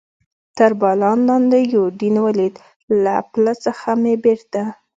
تر باران لاندې یوډین ولید، له پله څخه مې بېرته.